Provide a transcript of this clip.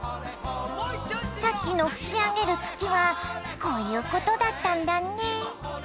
さっきの吹き上げる土はこういうことだったんだね。